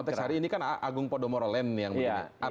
konteks hari ini kan agung podomoro len yang begini